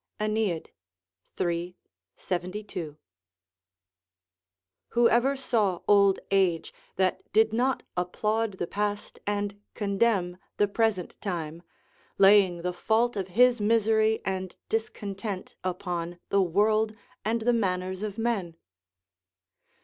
AEneid, iii. 72.] Whoever saw old age that did not applaud the past and condemn the present time, laying the fault of his misery and discontent upon the world and the manners of men?